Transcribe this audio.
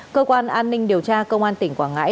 cơ quan an ninh điều tra công an tỉnh quảng ngãi